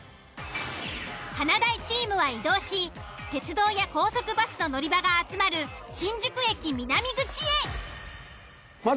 華大チームは移動し鉄道や高速バスの乗り場が集まる新宿駅南口へ。